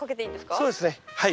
そうですねはい。